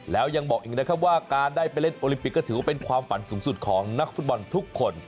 แล้วยังบอกอีกนะครับว่าการได้ไปเล่นโอลิมปิกก็ถือว่าเป็นความฝันสูงสุดของนักฟุตบอลทุกคน